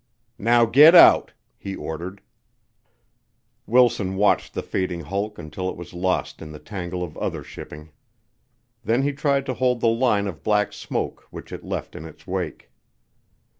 "Now get out," he ordered. Wilson watched the fading hulk until it was lost in the tangle of other shipping. Then he tried to hold the line of black smoke which it left in its wake.